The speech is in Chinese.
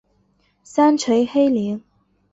三陲黑岭。